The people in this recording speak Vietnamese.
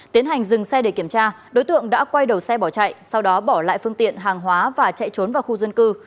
tiến hành dừng xe để kiểm tra đối tượng đã quay đầu xe bỏ chạy sau đó bỏ lại phương tiện hàng hóa và chạy trốn vào khu dân cư